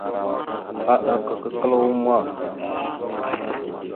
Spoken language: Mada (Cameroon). Aɗak aka kəla uma.